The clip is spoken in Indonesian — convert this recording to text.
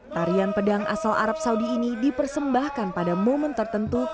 tarian pedang asal arab saudi ini dipersembahkan pada momen tertentu